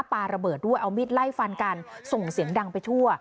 ปลาระเบิดด้วยเอามีดไล่ฟันกันส่งเสียงดังไปทั่ว